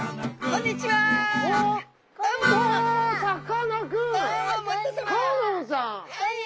こんにちは！